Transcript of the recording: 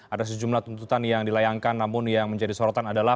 ada sejumlah tuntutan yang dilayangkan namun yang menjadi sorotan adalah